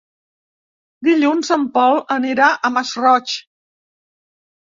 Dilluns en Pol anirà al Masroig.